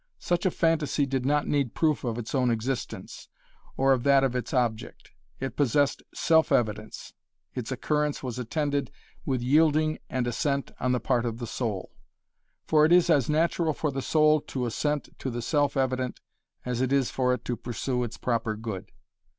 Such a phantasy did not need proof of its own existence, or of that of its object. It possessed self evidence. Its occurrence was attended with yielding and assent on the part of the soul. For it is as natural for the soul to assent to the self evident as it is for it to pursue its proper good.